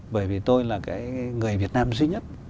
bởi vì tôi là cái người việt nam duy nhất